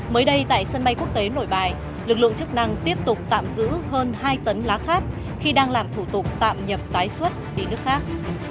mới đây tại sân bay quốc tế nội bài lực lượng chức năng tiếp tục tạm giữ hơn hai tấn lá khát khi đang làm thủ tục tạm nhập tái xuất đi nước khác